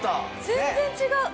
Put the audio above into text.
全然違う。